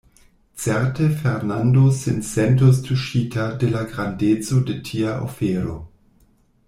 Certe Fernando sin sentus tuŝita de la grandeco de tia ofero.